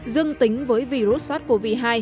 dương tính với virus sars cov hai